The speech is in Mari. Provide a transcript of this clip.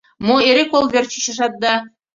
— Мо, эре кол верч ӱчашат да...